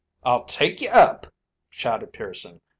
"I'll take you up," shouted Pearson.